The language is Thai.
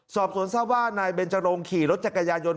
สอบสวนทราบว่านายเบนจรงขี่รถจักรยายน